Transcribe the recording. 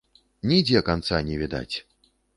Нідзе канца не відаць.